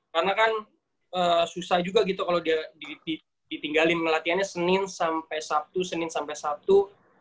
karena kan susah juga gitu kalo ditinggalin latihannya senin sampai sabtu